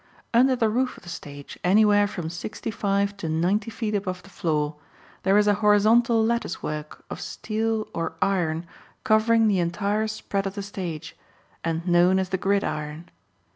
Under the roof of the stage, anywhere from sixty five to ninety feet above the floor, there is a horizontal lattice work of steel or iron covering the entire spread of the stage, and known as the gridiron.